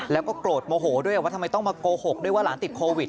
แล้วก็โกรธโมโหด้วยว่าทำไมต้องมาโกหกด้วยว่าหลานติดโควิด